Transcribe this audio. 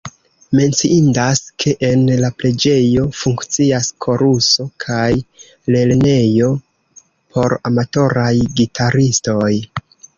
Menciindas, ke en la preĝejo funkcias koruso kaj lernejo por amatoraj gitaristoj.